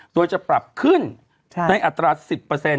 โดยจะปรับขึ้นในอัตราสิบเปอร์เซ็นต์